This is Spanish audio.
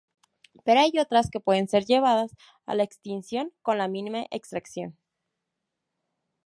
Pero hay otras que pueden ser llevadas a la extinción con la mínima extracción.